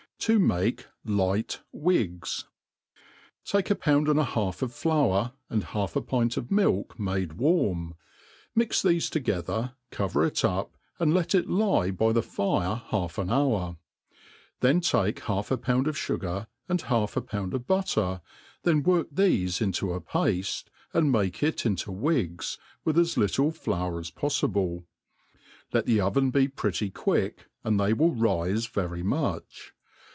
To mate light Wigs. TAKE a pound and a half of flour, and half a pint of milk made warm, mix thefe together, cover it up, and let it lie by the fire half an hour ; then take half a pound of fugar, and half a pound of butter, then work thefe into a pafte, and make it into wigs, with as little flour as poi&ble. Let die oven be pretty quick, and they will rife very much.